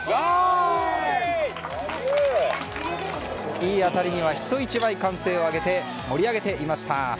いい当たりには人一倍歓声を上げて盛り上げていました。